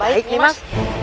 baik nyi mas